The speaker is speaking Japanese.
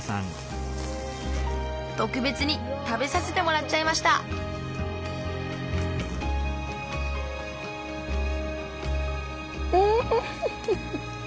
特別に食べさせてもらっちゃいましたん！